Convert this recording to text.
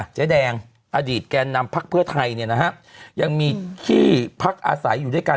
เจ๊แดงอดีตแกนนำพักเพื่อไทยเนี่ยนะฮะยังมีที่พักอาศัยอยู่ด้วยกัน